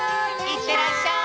いってらっしゃい！